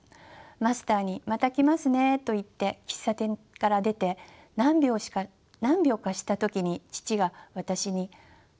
マスターにまた来ますねと言って喫茶店から出て何秒かした時に父が私に「あれ？